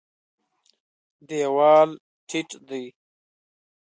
دېوال ټیټ دی.